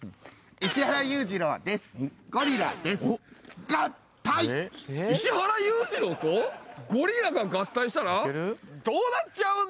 石原裕次郎とゴリラが合体したらどうなっちゃうんだ？